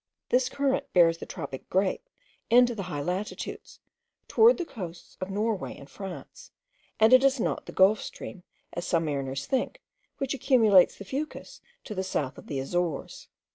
This current bears the tropic grape into the high latitudes, toward the coasts of Norway and France; and it is not the Gulf stream, as some mariners think, which accumulates the Fucus to the south of the Azores.